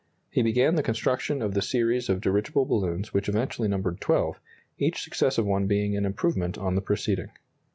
He began the construction of the series of dirigible balloons which eventually numbered 12, each successive one being an improvement on the preceding.